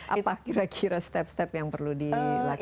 apa kira kira langkah langkah yang perlu dilakukan